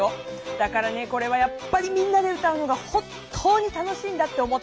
だからこれはやっぱりみんなで歌うのが本当に楽しいんだって思った。